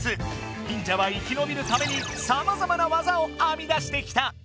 忍者は生きのびるためにさまざまな技をあみ出してきた！